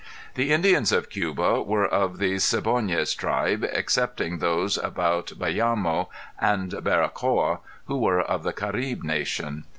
The Indians of Cuba were of the Siboneyes tribe, excepting those about Bayamo and Baracoa, who were of the Caribe nation.